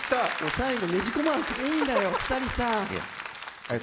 最後、ねじ込まなくていいんだよ、２人さん。